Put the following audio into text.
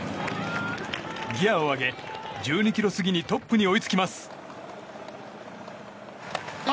ギアを上げ１２ｋｍ過ぎにトップに追いつきます。